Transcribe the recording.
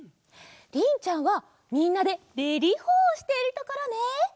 りんちゃんはみんなで「レリホー！」をしているところね！